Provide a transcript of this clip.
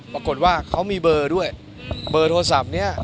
ปรากฏว่าเขามีเบอร์ด้วยเบอร์โทรศัพท์นี้